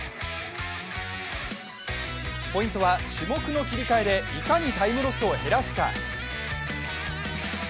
ポイントは種目の切り替えでいかにタイムロスを減らすか。